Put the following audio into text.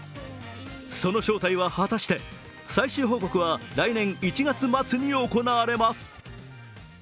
その正体は果たして最終報告は来年１月に行われます。